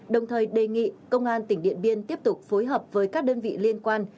đồng thời đề nghị công an tỉnh điện biên tiếp tục phối hợp với các đơn vị liên quan